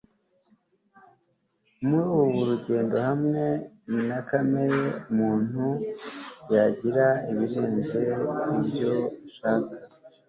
muri buri rugendo hamwe na kamere umuntu yakira ibirenze ibyo ashaka